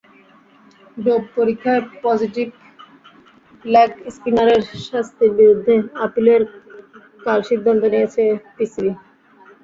Dope পরীক্ষায় positive leg স্পিনারের শাস্তির বিরুদ্ধে আপিলের কাল সিদ্ধান্ত নিয়েছে পিসিবি।